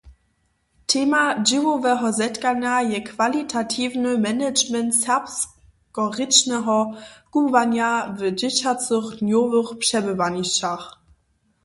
Tema dźěłoweho zetkanja je „Kwalitatiwny management serbskorěčneho kubłanja w dźěćacych dnjowych přebywanišćach“.